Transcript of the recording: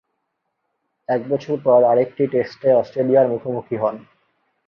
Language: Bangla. এক বছর পর আরেকটি টেস্টে অস্ট্রেলিয়ার মুখোমুখি হন।